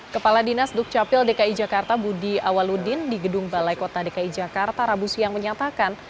kepala dinas dukcapil dki jakarta budi awaludin di gedung balai kota dki jakarta rabu siang menyatakan